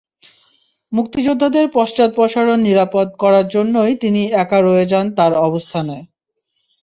মুক্তিযোদ্ধাদের পশ্চাদপসারণ নিরাপদ করার জন্যই তিনি একা রয়ে যান তাঁর অবস্থানে।